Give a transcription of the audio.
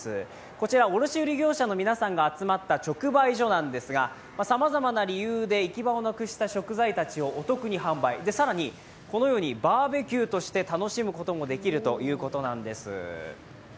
こちら、卸売業者の皆さんが集まった直売所なんですが、さまざまな理由で行き場をなくした食材たちをお得に販売、更にこのようにバーベキューとして楽しむこともできるということなんです。